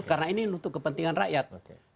karena ini untuk kepentingan rakyat